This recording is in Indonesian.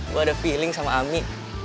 gue ada feeling sama ami